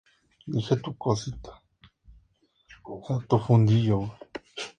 Orion nació en San Diego, California.